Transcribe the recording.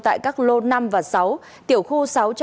tại các lô năm và sáu tiểu khu sáu trăm một mươi bốn